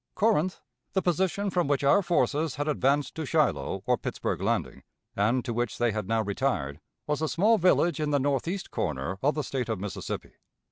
Corinth, the position from which our forces had advanced to Shiloh or Pittsburg Landing, and to which they had now retired, was a small village in the northeast corner of the State of Mississippi.